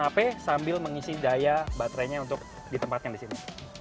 sampai sambil mengisi daya baterai nya untuk ditempatkan di sini